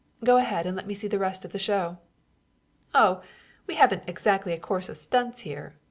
Go ahead and let me see the rest of the show." "Oh, we haven't exactly a course of stunts here.